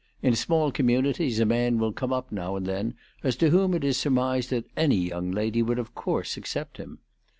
In small communities a man will come up now and then as to whom it is surmised that any young lady would of course accept him.